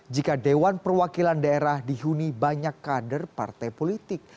jika dewan perwakilan daerah dihuni banyak kader partai politik